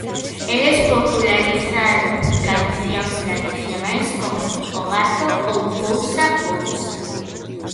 Eles popularizaron cancións tradicionais como 'O gato', ou 'Pousa, pousa'.